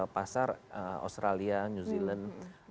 pasar australia new zealand